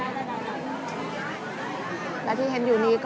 และที่อยู่ด้านหลังคุณยิ่งรักนะคะก็คือนางสาวคัตยาสวัสดีผลนะคะ